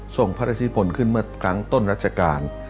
ส่งพระราชิพลขึ้นเมื่อครั้งต้นรัชกาล